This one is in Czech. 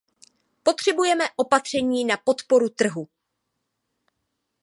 Potřebujeme opatření na podporu trhu.